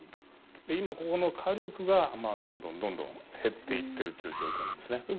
今ここの火力がまあどんどんどんどん減っていってるという状況なんですね。